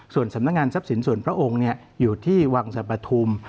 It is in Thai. ส่วนสำนักงานทรัพย์สินส่วนพระองค์อยู่ที่วังสรรปฐุม